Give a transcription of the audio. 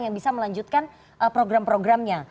yang bisa melanjutkan program programnya